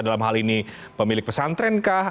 dalam hal ini pemilik pesantren kah